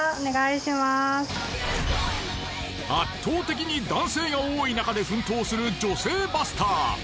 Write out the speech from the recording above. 圧倒的に男性が多いなかで奮闘する女性バスター。